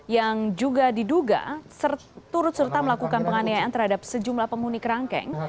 yang juga diduga turut serta melakukan penganiayaan terhadap sejumlah penghuni kerangkeng